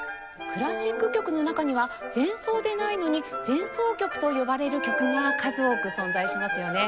クラシック曲の中には前奏でないのに「前奏曲」と呼ばれる曲が数多く存在しますよね。